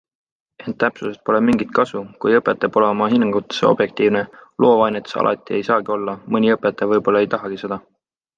Ent täpsusest pole mingit kasu, kui õpetaja pole oma hinnangutes objektiivne - loovainetes alati ei saagi olla, mõni õpetaja võib-olla ei tahagi seda.